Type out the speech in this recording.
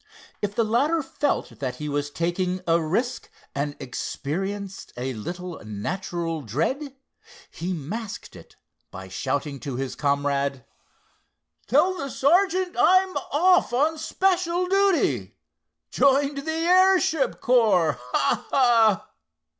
If the latter felt that he was taking a risk, and experienced a little natural dread, he masked it by shouting to his comrade: "Tell the sergeant I'm off on special duty—joined the airship corps—ha! ha!"